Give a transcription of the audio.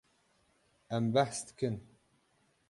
Em behs dikin.